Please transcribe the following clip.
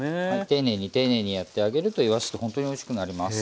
丁寧に丁寧にやってあげるといわしってほんとにおいしくなります。